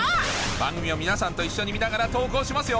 番組を皆さんと一緒に見ながら投稿しますよ